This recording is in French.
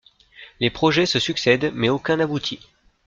Les projets se succèdent mais aucun n'aboutit.